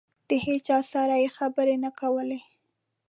د هېچا سره یې خبرې نه کولې.